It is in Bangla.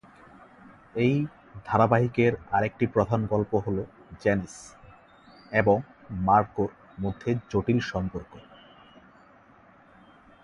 এই ধারাবাহিকের আরেকটি প্রধান গল্প হল জ্যানিস এবং মার্কোর মধ্যে জটিল সম্পর্ক।